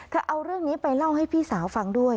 เอาเรื่องนี้ไปเล่าให้พี่สาวฟังด้วย